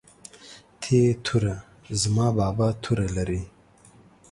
ت توره زما بابا توره لري